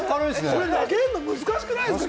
これ投げるの難しくないですか？